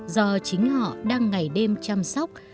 do chính họ đang ngày đêm chăm sóc